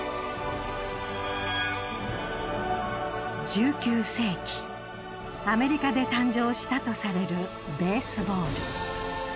１９世紀アメリカで誕生したとされるベースボール。